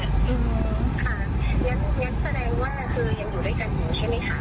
อืมค่ะงั้นแสดงว่าคือยังอยู่ด้วยกันอยู่ใช่ไหมคะ